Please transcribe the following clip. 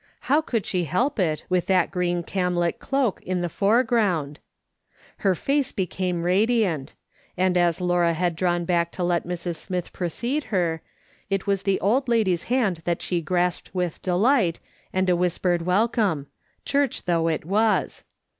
How could she help it, with that green camlet cloak in the fore ground ? Her face became radiant ; and as Laura had drawn back to let Mrs. Smith precede her, it was the old lady's hand that she grasped with delight, and a whispered welcome — church though it was.